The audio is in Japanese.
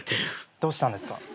どうしたんですか？